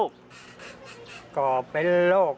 โอ้โหเป็นรับทะเล